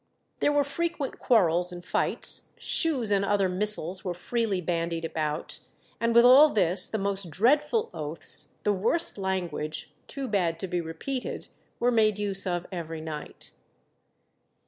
There were frequent quarrels and fights; shoes and other missiles were freely bandied about; and with all this "the most dreadful oaths, the worst language, too bad to be repeated," were made use of every night.